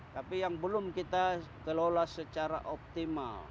tapi yang belum kita kelola secara optimal